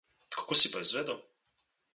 Kako si pa izvedel?